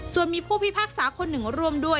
ส่วนมีผู้พิพากษาคนหนึ่งร่วมด้วย